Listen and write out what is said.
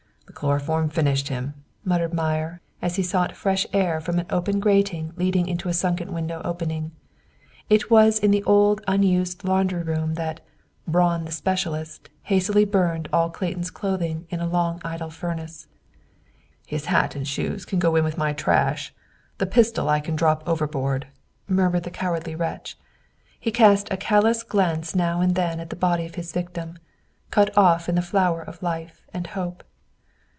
"The chloroform finished him!" muttered Meyer, as he sought fresh air from an open grating leading into a sunken window opening. It was in the old unused laundry room that "Braun, the specialist," hastily burned all Clayton's clothing in a long idle furnace. "His hat and shoes can go in with my trash; the pistol I can drop overboard," murmured the cowardly wretch. He cast a callous glance now and then at the body of his victim, cut off in the flower of life and hope.